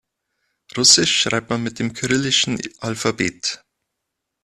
Russisch schreibt man mit dem kyrillischen Alphabet.